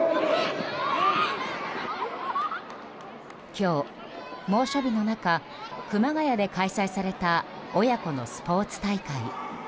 今日、猛暑日の中熊谷で開催された親子のスポーツ大会。